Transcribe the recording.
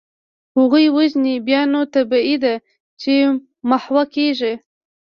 هغوی وژني، بیا نو طبیعي ده چي محوه کیږي.